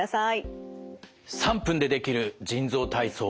３分でできる腎臓体操。